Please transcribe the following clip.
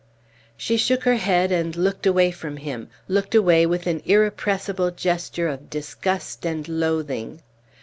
She shook her head, and looked away from him looked away with an irrepressible gesture of disgust and loathing.